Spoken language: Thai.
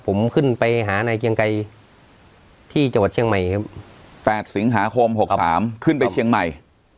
ผมขึ้นไปหานายเกียงไกรที่จังหวัดเชียงใหม่ครับ๘สิงหาคม๖๓ขึ้นไปเชียงใหม่